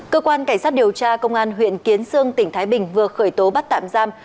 cơ quan cảnh sát điều tra công an huyện kiến sương tỉnh thái bình vừa khởi tố bắt tạm giam